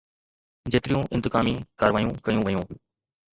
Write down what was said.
جيتريون انتقامي ڪارروايون ڪيون ويون